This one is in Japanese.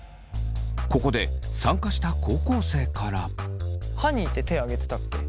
ここで参加した高校生からはにって手挙げてたっけ？